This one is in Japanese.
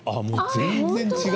全然違う。